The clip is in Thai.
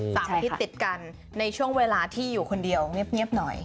อาทิตย์ติดกันในช่วงเวลาที่อยู่คนเดียวเงียบหน่อย